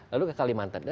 lalu ke kalimantan